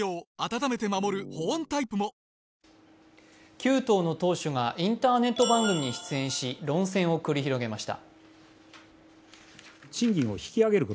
９党の党首がインターネット番組に出演し、論戦を繰り広げました。